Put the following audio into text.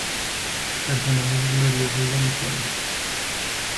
Personajes gloriosos de mi pueblo.